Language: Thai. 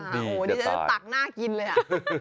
นี่จะตักหน้ากินเลยอ่ะ